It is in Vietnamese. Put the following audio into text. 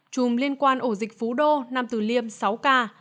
chùm liên quan ổ dịch phú đô nam tử liêm sáu ca